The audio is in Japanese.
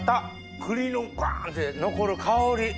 栗のバン！って残る香り。